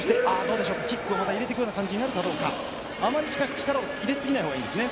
キックを入れてくるような感じになるか、でもあまり力を入れすぎないほうがいいんですね。